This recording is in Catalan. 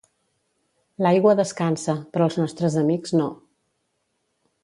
L'aigua descansa, però els nostres amics no.